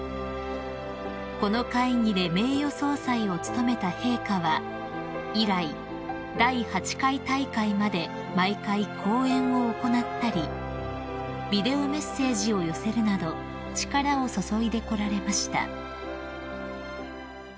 ［この会議で名誉総裁を務めた陛下は以来第８回大会まで毎回講演を行ったりビデオメッセージを寄せるなど力を注いでこられました］